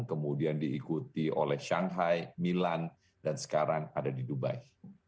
kemudian diikuti oleh shanghai milan dan sekarang ada di dubai